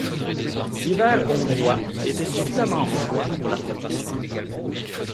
L'hiver hongrois était suffisamment froid pour la production.